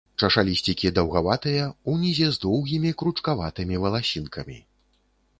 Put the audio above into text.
Чашалісцікі даўгаватыя, унізе з доўгімі кручкаватымі валасінкамі.